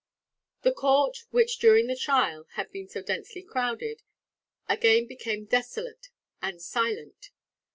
The court, which, during the trial, had been so densely crowded, again became desolate and silent.